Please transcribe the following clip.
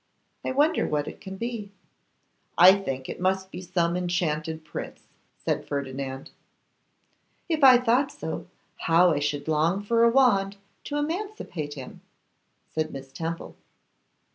I wonder what it can be.' 'I think it must be some enchanted prince,' said Ferdinand. 'If I thought so, how I should long for a wand to emancipate him!' said Miss Temple.